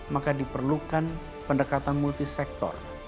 maka diperlukan pendekatan multisektor